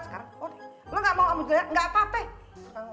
sekarang lo gak mau sama juleha gak apa apa teh